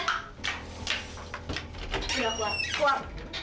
keluar keluar keluar